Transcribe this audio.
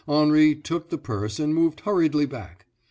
Henri took the purse and moved hurriedly back.